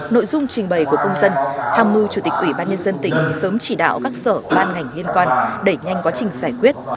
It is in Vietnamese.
nội dung trình bày của công dân tham mưu chủ tịch ủy ban nhân dân tỉnh sớm chỉ đạo các sở ban ngành liên quan đẩy nhanh quá trình giải quyết